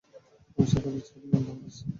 আমি সাক্ষ্য দিচ্ছি, আপনি আল্লাহর রাসূল।